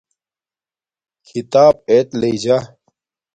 کھیتاپ ایت لݵجا